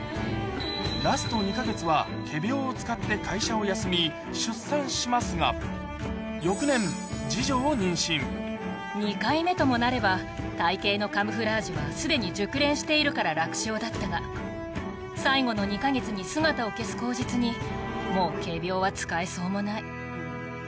ラスト２か月は仮病を使って会社を休み、出産しますが、翌年、２回目ともなれば、体形のカムフラージュはすでに熟練しているから楽勝だったが、最後の２か月に姿を消す口実にもう仮病は使えそうもない。